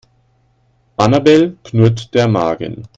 Annabel knurrt der Magen.